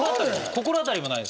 心当たりもない？